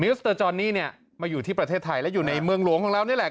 สเตอร์จอนนี่เนี่ยมาอยู่ที่ประเทศไทยและอยู่ในเมืองหลวงของเรานี่แหละ